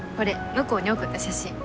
向こうに送った写真。